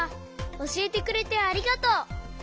おしえてくれてありがとう！